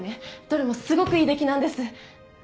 どれもすごくいい出来なんです。